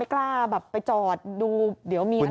ไม่กล้าไปจอดดูเดี๋ยวมีอะไร